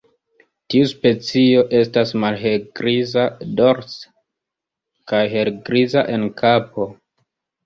Tiu specio estas malhelgriza dorse kaj helgriza en kapo.